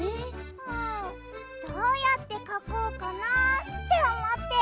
うんどうやってかこうかなっておもって。